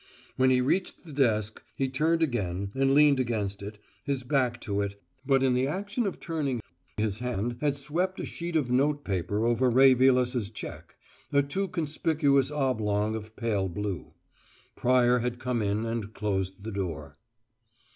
When he reached the desk, he turned again and leaned against it, his back to it, but in the action of turning his hand had swept a sheet of note paper over Ray Vilas's cheque a too conspicuous oblong of pale blue. Pryor had come in and closed the door.